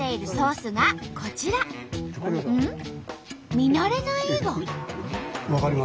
見慣れない絵が。